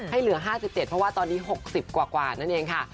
เหลือ๕๗เพราะว่าตอนนี้๖๐กว่านั่นเองค่ะ